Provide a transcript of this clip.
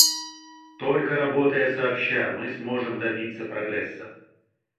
Только работая сообща, мы сможем добиться прогресса.